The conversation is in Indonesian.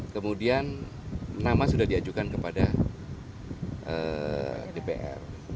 kemudian nama sudah diajukan kepada dpr